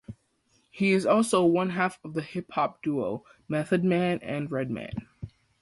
He is also one half of the hip hop duo Method Man and Redman.